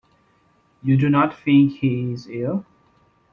You do not think he is ill?